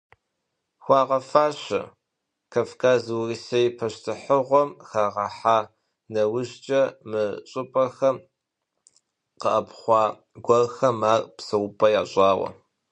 Хуагъэфащэ, Кавказыр Урысей пащтыхьыгъуэм хагъэхьа нэужькӀэ, мы щӀыпӀэхэм къэӀэпхъуа гуэрхэм ар псэупӀэ ящӀауэ.